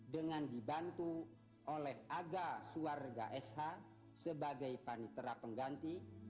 dengan dibantu oleh aga suarga sh sebagai panitera pengganti